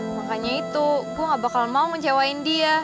makanya itu gue gak bakal mau mencewain dia